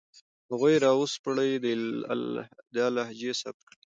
هغوی را وسپړئ، دا لهجې ثبت کړئ